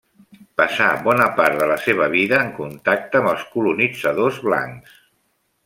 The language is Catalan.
Passà bona part de la seva vida en contacte amb els colonitzadors blancs.